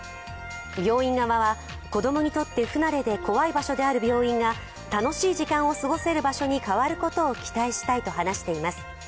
病院側は、子供にとって不慣れで怖い場所である病院が楽しい時間を過ごせる場所に変わることを期待したいと話しています。